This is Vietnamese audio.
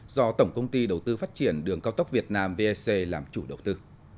do tổng công ty đầu tư phát triển đường cao tốc việt nam vec làm chủ đầu tư